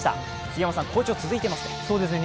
杉山さん、好調が続いてますね。